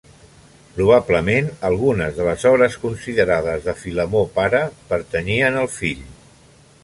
Probablement algunes de les obres considerades de Filemó pare pertanyien al fill.